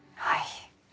はい。